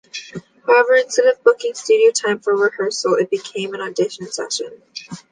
However, instead of booking studio time for rehearsals, it became an audition session.